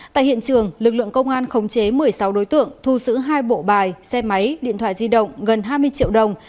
tại hiện trường lực lượng công an khống chế một mươi sáu đối tượng thu xử hai bộ bài xe máy điện thoại di động gần hai mươi triệu đồng